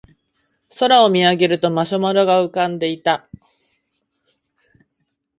空を見上げるとマシュマロが浮かんでいた